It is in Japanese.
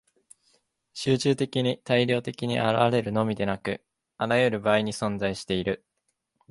集中的に大量的に現れるのみでなく、あらゆる場合に存在している。